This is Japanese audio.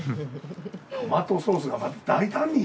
トマトソースがまた大胆に。